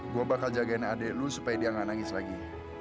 gue bakal jagain adik lu supaya dia nggak nangis lagi